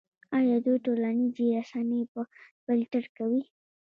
آیا دوی ټولنیزې رسنۍ نه فلټر کوي؟